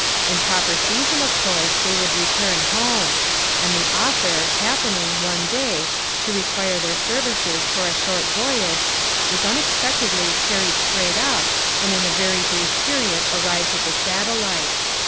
In proper season, of course, they would return home; and the author, happening, one day, to require their services for a short voyage, is unexpectedly carried straight tip, and in a very brief period arrives at the satellite.